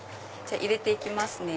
入れて行きますね。